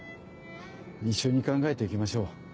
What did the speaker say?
一緒に考えていきましょう。